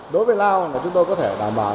đối với lao là chúng tôi có thể đảm bảo